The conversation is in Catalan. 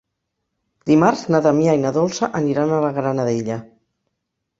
Dimarts na Damià i na Dolça aniran a la Granadella.